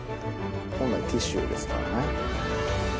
本来ティッシュですからね。